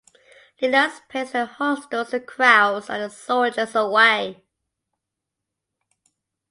Lillas Pastia hustles the crowds and the soldiers away.